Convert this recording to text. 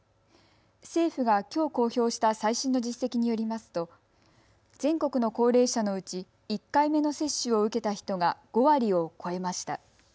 政府がきょう公表した最新の実績によりますと全国の高齢者のうち１回目の接種を受けた人が５割を超えました。